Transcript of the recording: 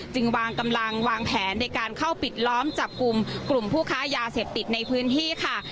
จึงวางกำลังวางแผนในการเข้าปิดล้อมจับกลุ่มกลุ่มผู้ค้ายาเสพติดในพื้นที่ค่ะ